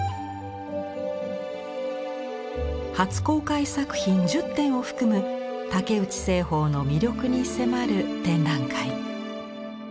初公開作品１０点を含む竹内栖鳳の魅力に迫る展覧会。